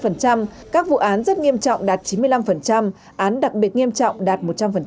trên tám mươi các vụ án rất nghiêm trọng đạt chín mươi năm án đặc biệt nghiêm trọng đạt một trăm linh